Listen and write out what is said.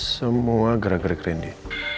semua gerak gerik rendy